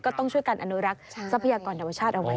ต้องช่วยกันอนุรักษ์ทรัพยากรธรรมชาติเอาไว้